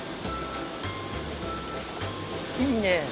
いいね。